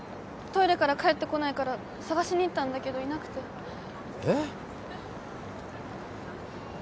トイレから帰ってこないから捜しに行ったんだけどいなくてえっ！？